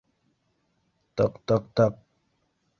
Тыҡ-тыҡ-тыҡ.